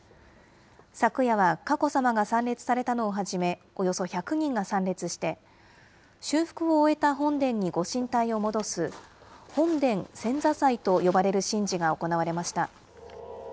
昨夜は佳子さまが参列されたのをはじめ、およそ１００人が参列して、修復を終えた本殿にご神体を戻す本殿遷座祭と呼ばれる神事が行われました。